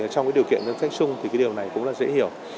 trong điều kiện ngân sách chung thì điều này cũng dễ hiểu